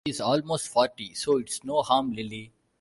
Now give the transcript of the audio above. He's almost forty, so it's no harm, Lily.